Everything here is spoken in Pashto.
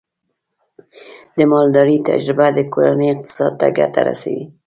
د مالدارۍ تجربه د کورنۍ اقتصاد ته ګټه رسوي.